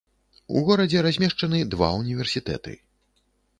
У горадзе размешчаны два ўніверсітэты.